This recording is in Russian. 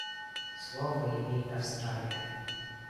Слово имеет Австралия.